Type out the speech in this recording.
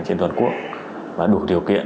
trên toàn quốc và đủ điều kiện